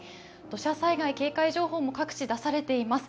土砂災害警戒情報も各地出されています。